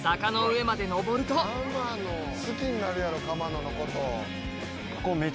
好きになるやろ鎌野のこと。